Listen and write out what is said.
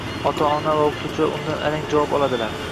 Ota-ona va o‘qituvchilar undan arang javob oladilar.